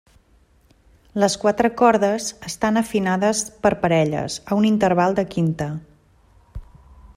Les quatre cordes estan afinades per parelles a un interval de quinta.